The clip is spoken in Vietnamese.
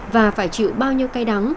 và phải chịu bao nhiêu cay đắng